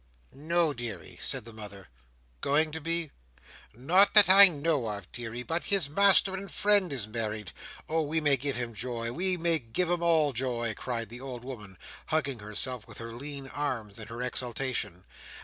"No, deary," said the mother. "Going to be?" "Not that I know of, deary. But his master and friend is married. Oh, we may give him joy! We may give 'em all joy!" cried the old woman, hugging herself with her lean arms in her exultation.